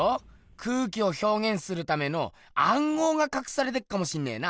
空気をひょうげんするためのあんごうがかくされてっかもしんねぇな。